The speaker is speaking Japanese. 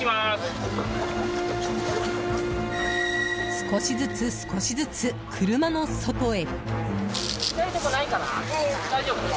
少しずつ、少しずつ車の外へ。